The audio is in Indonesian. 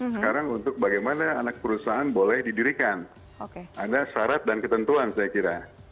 sekarang untuk bagaimana anak perusahaan boleh didirikan ada syarat dan ketentuan saya kira